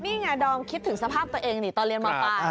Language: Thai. นี่ไงดอมคิดถึงสภาพตัวเองนี่ตอนเรียนมปลาย